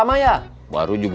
mak mau dong